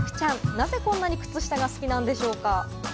なぜこんなに靴下が好きなんでしょうか？